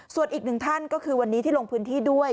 ส่วนอีกหนึ่งท่านก็คือวันนี้ที่ลงพื้นที่ด้วย